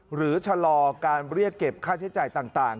ชะลอการเรียกเก็บค่าใช้จ่ายต่าง